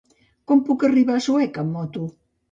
Com puc arribar a Sueca amb moto?